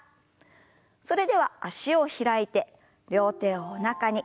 それでは脚を開いて両手をおなかに。